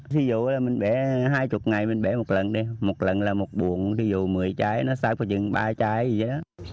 thí dụ là mình bẻ hai mươi ngày mình bẻ một lần đi một lần là một buồn thí dụ một mươi trái nó sát vào chừng ba trái gì đó